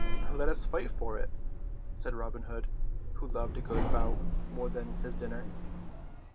"Let us fight for it," said Robin Hood, who loved a good bout more than his dinner.